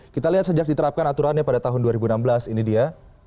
kita lihat sejak diterapkan aturannya pada tahun dua ribu enam belas ini dia